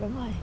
dạ đúng rồi